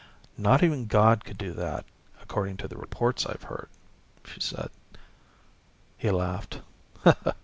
"Not even God could do that, according to the reports I've heard," she said. He laughed.